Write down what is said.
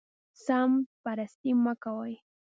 سمت پرستي مه کوئ